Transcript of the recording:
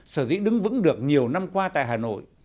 sở dĩ đứng vững được nhiều năm qua tại hà nội